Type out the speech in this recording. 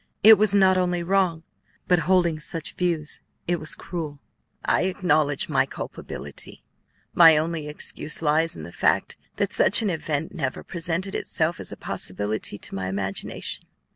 It was not only wrong, but, holding such views, it was cruel." "I acknowledge my culpability; my only excuse lies in the fact that such an event never presented itself as a possibility to my imagination.